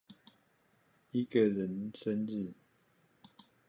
一個人生日